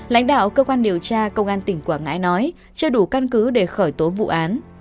lãnh đạo cơ quan điều tra công an tỉnh quảng ngãi nói chưa đủ căn cứ để khởi tố vụ án